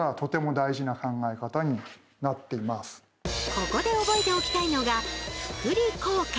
ここで覚えておきたいのが「複利効果」。